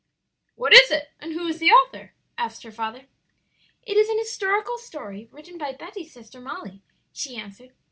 "What is it? and who is the author?" asked her father. "It is an historical story written by Betty's sister Molly," she answered.